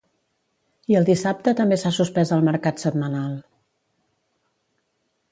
I el dissabte també s'ha suspès el mercat setmanal